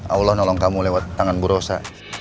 allah nolong kamu lewat tangan bu rosa